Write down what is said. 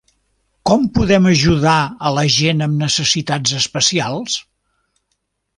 Com podem ajudar a la gent amb necessitats especials?